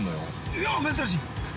◆いやっ、珍しい。